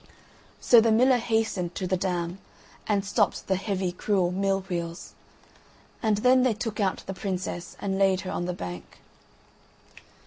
So the miller hastened to the dam and stopped the heavy cruel mill wheels. And then they took out the princess and laid her on the bank.